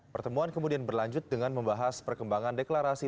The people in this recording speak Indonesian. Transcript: pertemuan kemudian berlanjut dengan membahas perkembangan deklarasi